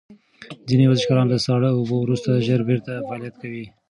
ځینې ورزشکاران له ساړه اوبو وروسته ژر بیرته فعالیت کوي.